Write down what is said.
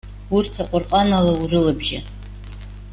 Урҭ Аҟәырҟан ала урылабжьа.